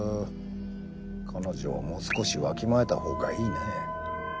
彼女はもう少しわきまえた方がいいね。